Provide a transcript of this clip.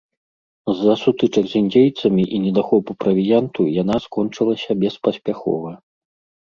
З-за сутычак з індзейцамі і недахопу правіянту яна скончылася беспаспяхова.